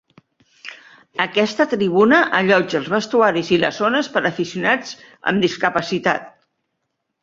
Aquesta tribuna allotja els vestuaris i les zones per a aficionats amb discapacitat.